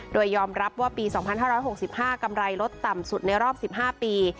โดยยอมรับว่าปีสองพันห้าร้อยหกสิบห้ากำไรลดต่ำสุดในรอบสิบห้าปี